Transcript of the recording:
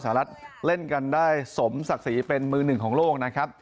รัฐเล่นกันได้สมศักดิ์ศรีเป็นมือหนึ่งของโลกนะครับ